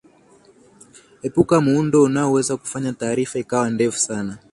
epuka muundo unaoweza kufanya taarifa kuwa ndefu sana